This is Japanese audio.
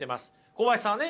小林さんがね